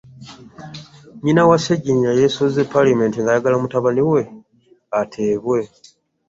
Nnyina wa Ssegirinnya yeesozze paalamenti ng'ayagala mutabani we ateebwe.